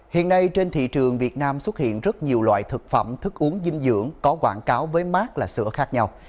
hiện nay trên thị trường việt nam xuất hiện rất nhiều loại thực phẩm thức uống dinh dưỡng có quảng cáo với mát là sữa khác nhau